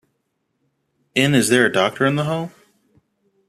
In Is There a Doctor in the Howe?